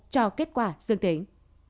theo kết quả dương tính